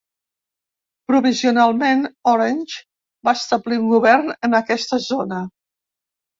Provisionalment Orange va establir un govern en aquesta zona.